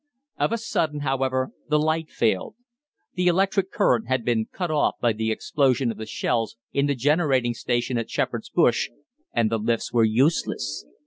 Of a sudden, however, the light failed. The electric current had been cut off by the explosion of the shells in the generating station at Shepherd's Bush, and the lifts were useless!